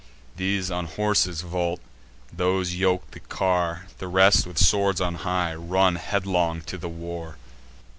These on their horses vault; those yoke the car; The rest, with swords on high, run headlong to the war.